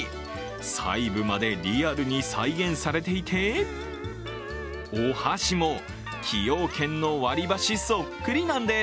細部までリアルに再現されていてお箸も、崎陽軒の割り箸そっくりなんです。